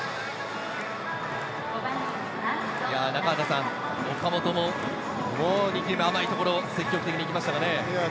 中畑さん、岡本も力まないところ、積極的に行きましたね。